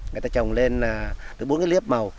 người ta trồng lên là bốn cái liếp màu